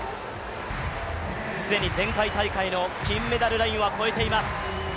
既に前回大会の金メダルラインは消えています。